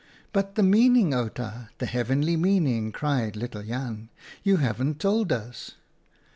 " But the meaning, Outa, the heavenly meaning!" cried little Jan. "You haven't told us."